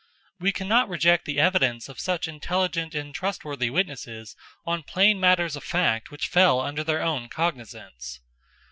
We cannot reject the evidence of such intelligent and trustworthy witnesses on plain matters of fact which fell under their own cognizance.